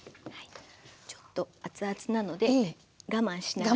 ちょっと熱々なので我慢しながら。